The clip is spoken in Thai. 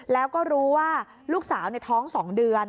แล้วก็รู้ว่าลูกสาวท้อง๒เดือน